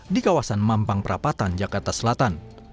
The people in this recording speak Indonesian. di kawasan mampang perapatan jakarta selatan